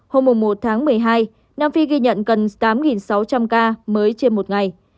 hôm một một mươi hai nam phi ghi nhận cần tám sáu trăm linh ca mới trên một ngày